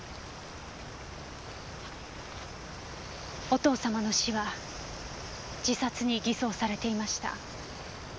お父様の死は自殺に偽装されていました。